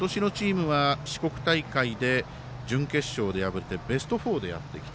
でも今年のチームは四国大会で準決勝で敗れてベスト４でやってきた。